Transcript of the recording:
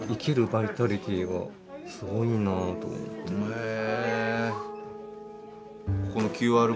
へえ！